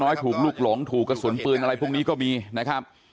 ถูกลูกหลงถูกกระสุนปืนอะไรพวกนี้ก็มีนะครับ